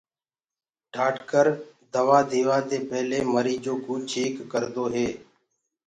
ڊآڪٽر دوآ ديوآ دي پيلي ميرج چيڪ ڪردو هي۔